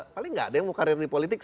paling gak ada yang mau karir lebih